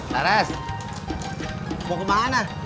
tares mau kemana